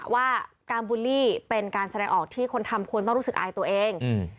ว่าการบูลลี่เป็นการแสดงออกที่คนทำควรต้องรู้สึกอายตัวเอง